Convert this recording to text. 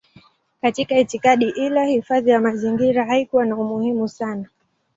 Katika itikadi ile hifadhi ya mazingira haikuwa na umuhimu sana.